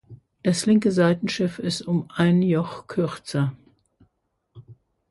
Das linke Seitenschiff ist um ein Joch kürzer.